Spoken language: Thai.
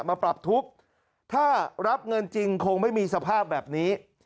มาปรับทุกข์ถ้ารับเงินจริงคงไม่มีสภาพแบบนี้